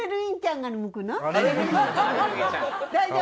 大丈夫？